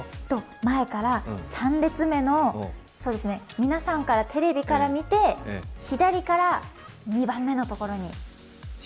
前から３列目の、皆さん、テレビから見て、左から２番目のところに。